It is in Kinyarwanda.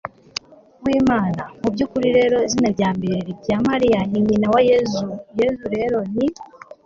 w'imana ». mu by'ukuri rero izina rya mbere rya mariya, ni « nyina wa yezu ». yezu rero ni